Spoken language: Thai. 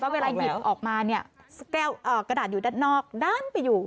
เวลาหยิบออกมาเนี่ยกระดาษอยู่ด้านนอกด้านไปอยู่